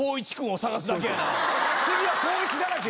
次は光一だらけ。